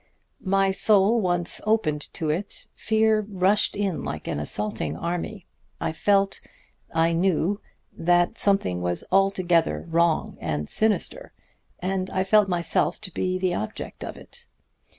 My soul once opened to it, fear rushed in like an assaulting army. I felt I knew that something was altogether wrong and sinister, and I felt myself to be the object of it.